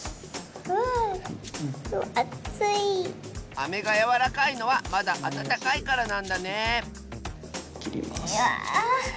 アメがやわらかいのはまだあたたかいからなんだねえきります。